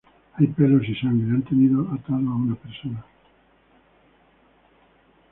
hay pelos y sangre. han tenido atado a una persona.